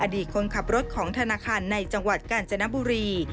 คนขับรถของธนาคารในจังหวัดกาญจนบุรี